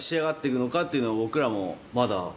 僕らもまだ。